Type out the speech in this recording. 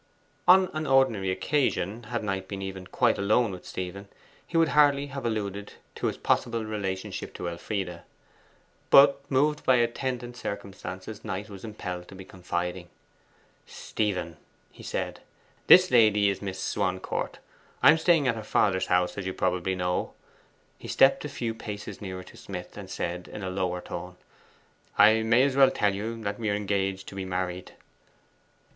On an ordinary occasion, had Knight been even quite alone with Stephen, he would hardly have alluded to his possible relationship to Elfride. But moved by attendant circumstances Knight was impelled to be confiding. 'Stephen,' he said, 'this lady is Miss Swancourt. I am staying at her father's house, as you probably know.' He stepped a few paces nearer to Smith, and said in a lower tone: 'I may as well tell you that we are engaged to be married.